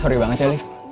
sorry banget ya liv